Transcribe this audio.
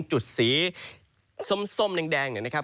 จุดสีส้มแดงนะครับ